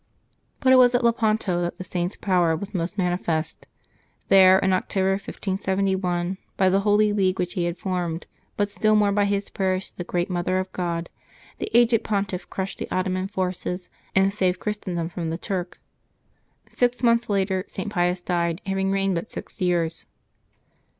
But it was at Lepanto that the Saint's power was most manifest; there, in Octo ber, 1571, by the holy league which he had formed, but still more by his prayers to the great Mother of God, the aged Pontiff crushed the Ottoman forces, and saved Chris tendom from the Turk. Six months later, St. Pius died, having reigned but six years.